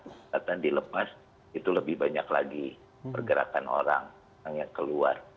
kesehatan dilepas itu lebih banyak lagi pergerakan orang yang keluar